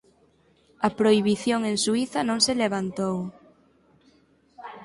A prohibición en Suíza non se levantou.